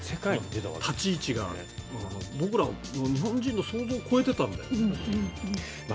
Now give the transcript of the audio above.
立ち位置が僕ら日本人の想像を超えてた。